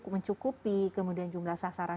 mencukupi kemudian jumlah sasaran